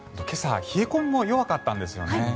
今朝、冷え込みも弱かったんですよね。